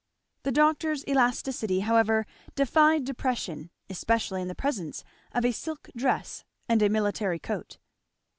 The doctor's elasticity however defied depression, especially in the presence of a silk dress and a military coat.